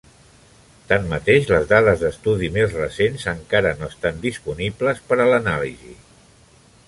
Tanmateix, les dades d'estudi més recents encara no estan disponibles per a l'anàlisi.